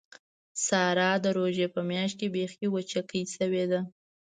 ساره د روژې په میاشت کې بیخي وچکۍ شوې ده.